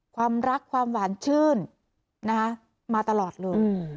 ความรักความหวานชื่นนะคะมาตลอดเลย